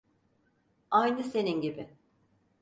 Aynı senin gibi.